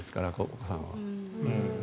お子さんは。